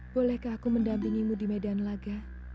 bolehkah aku mendampingimu di medan laga